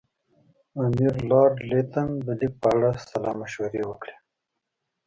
امیر د لارډ لیټن د لیک په اړه سلا مشورې وکړې.